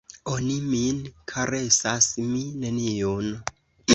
Oni min karesas, mi neniun!